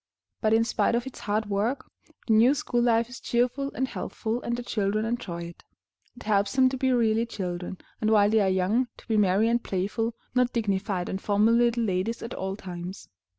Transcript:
But in spite of its hard work, the new school life is cheerful and healthful, and the children enjoy it. It helps them to be really children, and, while they are young, to be merry and playful, not dignified and formal little ladies at all times.